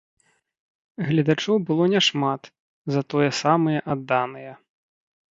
Гледачоў было няшмат, затое самыя адданыя.